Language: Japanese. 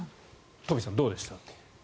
トンフィさん、どうでした？